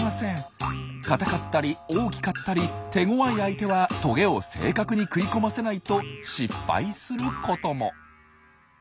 硬かったり大きかったり手ごわい相手はトゲを正確に食い込ませないと失敗することも。